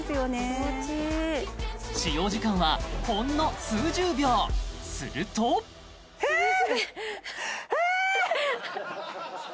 気持ちいい使用時間はほんの数十秒するとへえっ！